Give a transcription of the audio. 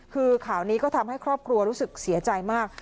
คือข่าวนี้ก็ทำให้ครอบครัวรู้สึกเสียใจมาก